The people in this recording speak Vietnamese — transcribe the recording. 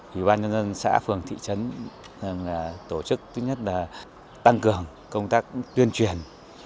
ủy ban nhân dân xã phường thị trấn tổ chức thứ nhất là tăng cường công tác tuyên truyền